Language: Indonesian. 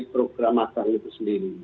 program makan itu sendiri